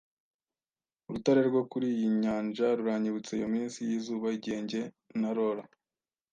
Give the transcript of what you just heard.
Urutare rwo kuri iyi nyanja ruranyibutsa iyo minsi yizuba igihe njye na Laura